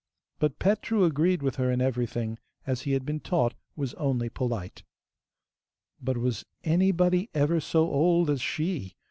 But Petru agreed with her in everything, as he had been taught was only polite. But was anybody ever so old as she!